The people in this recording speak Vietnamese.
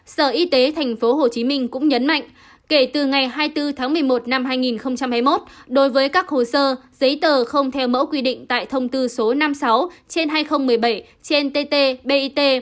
sở y tế tp hcm cũng nhấn mạnh kể từ ngày hai mươi bốn tháng một mươi một năm hai nghìn hai mươi một đối với các hồ sơ giấy tờ không theo mẫu quy định tại thông tư số năm mươi sáu trên hai nghìn một mươi bảy trên tt bit